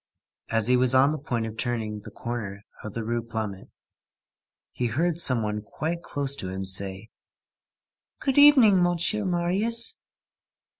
As he was on the point of turning the corner of the Rue Plumet, he heard some one quite close to him say:— "Good evening, Monsieur Marius."